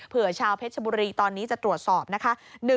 ชาวเพชรบุรีตอนนี้จะตรวจสอบนะคะ